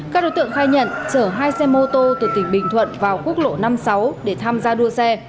các đối tượng khai nhận chở hai xe mô tô từ tỉnh bình thuận vào quốc lộ năm mươi sáu để tham gia đua xe